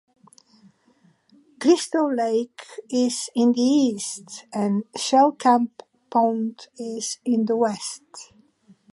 Crystal Lake is in the east, and Shellcamp Pond is in the west.